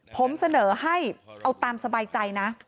ผมเสนอให้เอาตามสบายใจนะ